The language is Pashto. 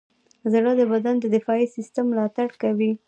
زړه د بدن د دفاعي سیستم ملاتړ کوي.